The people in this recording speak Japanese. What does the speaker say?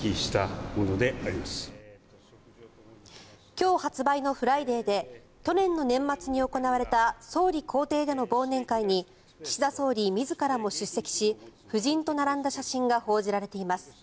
今日発売の「ＦＲＩＤＡＹ」で去年の年末に行われた総理公邸での忘年会に岸田総理自らも出席し夫人と並んだ写真が報じられています。